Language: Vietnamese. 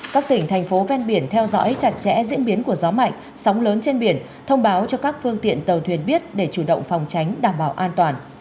các tỉnh thành phố ven biển theo dõi chặt chẽ diễn biến của gió mạnh sóng lớn trên biển thông báo cho các phương tiện tàu thuyền biết để chủ động phòng tránh đảm bảo an toàn